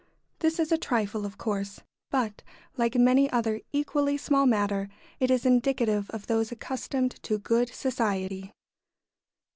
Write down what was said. This is a trifle, of course, but, like many another equally small matter, it is indicative of those accustomed to good society.